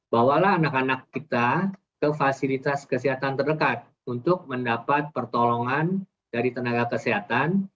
bawalah anak anak kita ke fasilitas kesehatan terdekat untuk mendapat pertolongan dari tenaga kesehatan